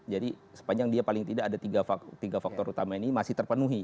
jadi sepanjang dia paling tidak ada tiga faktor utama ini masih terpenuhi ya